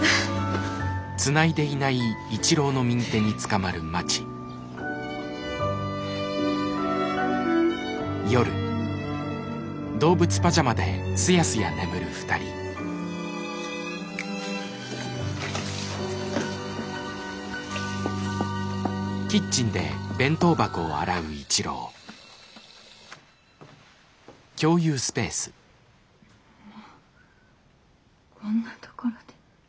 まあこんなところで。